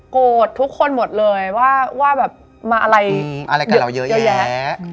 โกรธทุกคนหมดเลยว่าแบบมาอะไรเยอะแยะ